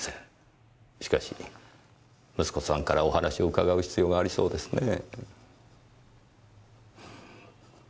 しかし息子さんからお話を伺う必要がありそうですねぇ。